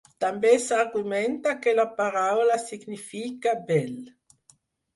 També s'argumenta que la paraula significa "bell".